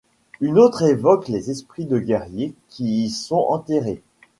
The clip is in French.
Une autre évoque les esprits de guerriers qui y sont enterrés.